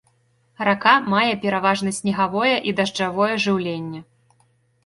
Рака мае пераважна снегавое і дажджавое жыўленне.